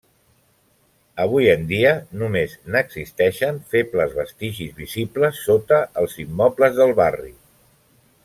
Avui en dia, només n'existeixen febles vestigis visibles sota els immobles del barri.